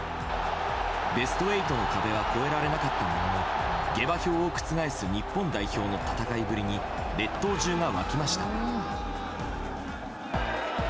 ベスト８の壁は越えられなかったものの下馬評を覆す日本代表の戦いぶりに列島中が沸きました。